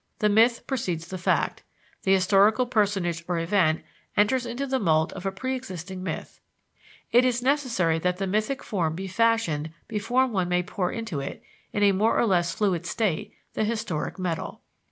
The myth precedes the fact; the historical personage or event enters into the mould of a pre existing myth. "It is necessary that the mythic form be fashioned before one may pour into it, in a more or less fluid state, the historic metal."